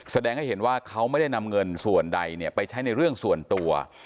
แสดงให้เห็นว่าเขาไม่ได้นำเงินส่วนใดไปใช้ในเรื่องส่วนตัว